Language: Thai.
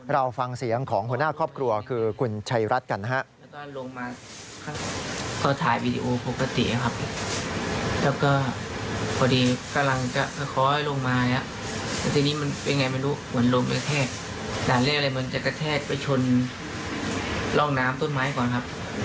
เราฟังเสียงของหัวหน้าครอบครัวคือคุณชัยรัฐกันนะฮะ